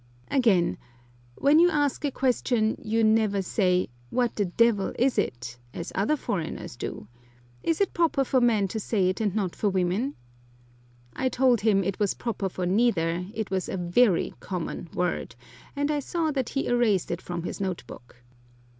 Again, "When you ask a question you never say, 'What the d—l is it?' as other foreigners do. Is it proper for men to say it and not for women?" I told him it was proper for neither, it was a very "common" word, and I saw that he erased it from his note book.